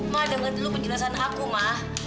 ma jangan lupa jelasin aku ma